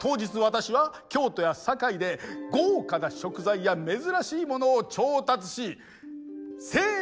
当日私は京都や堺で豪華な食材や珍しいものを調達し盛大にもてなす予定でした。